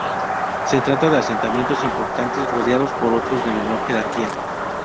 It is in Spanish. Se trata de asentamientos importantes rodeados por otros de menor jerarquía.